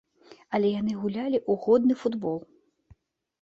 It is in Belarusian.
Але яны гулялі ў годны футбол.